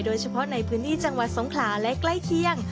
โดยเฉพาะในพื้นที่จังหวัดสงขลาและใกล้เคียง